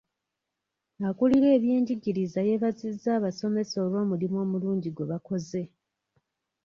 Akulira ebenjigirza yeebazizza abasomesa olw'omulimu omulungi gwe bakoze.